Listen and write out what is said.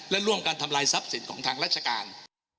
และร่วมกันทำลายทรัพย์สินของทางราชการ